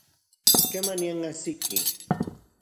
¿Kemanian ajsiki?